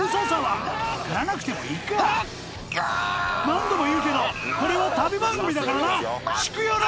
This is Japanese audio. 何度も言うけどこれは旅番組だからなシクヨロ！